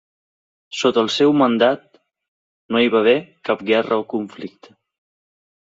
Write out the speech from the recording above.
Sota el seu mandat, no hi va haver cap guerra o conflicte.